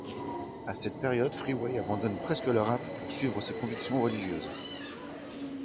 À cette période, Freeway abandonne presque le rap pour suivre ses convictions religieuses.